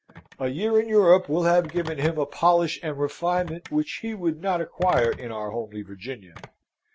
A year in Europe will have given him a polish and refinement which he could not acquire in our homely Virginia.